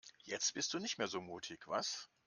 Jetzt bist du nicht mehr so mutig, was?